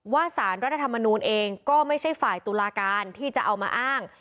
สารรัฐธรรมนูลเองก็ไม่ใช่ฝ่ายตุลาการที่จะเอามาอ้าง